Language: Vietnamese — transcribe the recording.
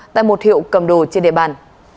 tại một hiệu cầm đồ trên địa bàn